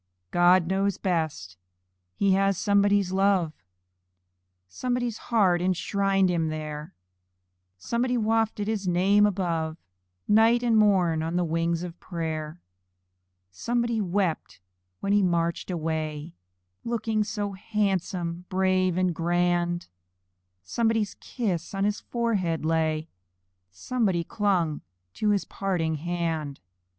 God knows best! He has somebody's love; Somebody's heart enshrined him there Somebody wafted his name above, Night and morn, on the wings of prayer. Somebody wept when he marched away, Looking so handsome, brave, and grand! Somebody's kiss on his forehead lay Somebody clung to his parting hand.